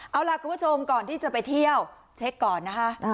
เอาล่ะคุณผู้ชมก่อนที่จะไปเที่ยวเช็คก่อนนะคะ